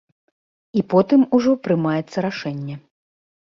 І потым ужо прымаецца рашэнне.